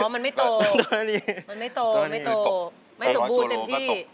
มันไม่โตมันไม่โตไม่โตไม่สมบูรณ์เต็มที่